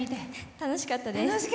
楽しかったです。